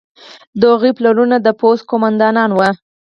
د هغوی پلرونه د پوځ قوماندانان وو.